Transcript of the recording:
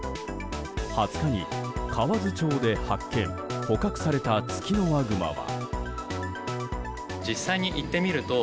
２０日に、河津町で発見・捕獲されたツキノワグマは。